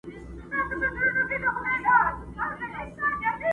او حافظه د انسان تر ټولو قوي شاهد پاته کيږي